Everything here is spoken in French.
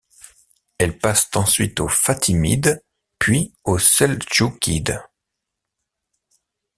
Elle passe ensuite aux Fatimides puis aux Seldjoukides.